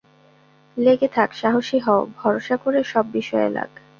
লেগে থাক, সাহসী হও, ভরসা করে সব বিষয়ে লাগ।